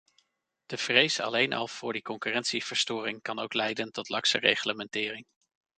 De vrees alleen al voor die concurrentieverstoring kan ook leiden tot lakse reglementering.